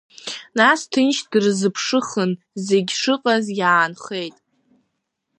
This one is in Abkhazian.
Нас ҭынч дырзыԥшыхын зегь шыҟаз иаанхеит.